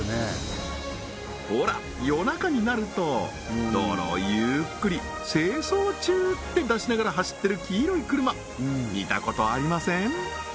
ほら夜中になると道路をゆーっくり「清掃中」って出しながら走ってる黄色い車見たことありません？